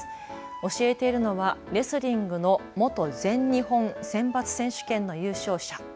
教えているのはレスリングの元全日本選抜選手権の優勝者。